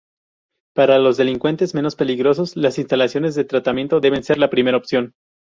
Para los delincuentes menos peligrosos, las instalaciones de tratamiento deben ser la primera opción.